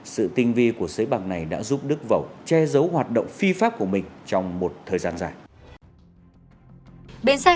sự tinh vi của sới bạc này đã giúp đức vẩu che giấu hoạt động phi pháp của mình trong một thời gian dài